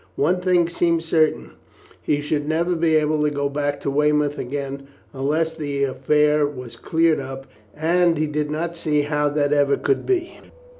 One thing seemed certain, he should never be able to go back to Weymouth again unless the affair was cleared up, and he did not see how that ever could be.